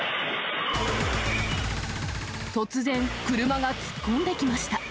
突然、車が突っ込んできました。